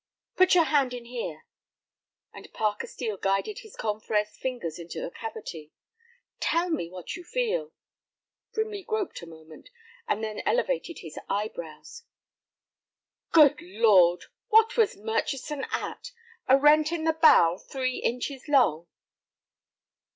"Put your hand in here," and Parker Steel guided his confrère's fingers into the cavity, "tell me what you feel." Brimley groped a moment, and then elevated his eyebrows. "Good Lord!—what was Murchison at? A rent in the bowel three inches long!"